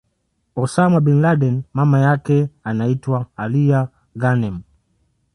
Osama bin Laden Mama yake anaitwa Alia Ghanem